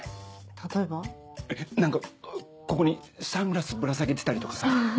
例えば？何かここにサングラスぶら下げてたりとかさ。